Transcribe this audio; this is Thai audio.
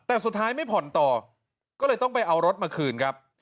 แต่สุดท้ายไม่ผ่อนต่อก็เลยต้องไปเอารถมาคืนครับ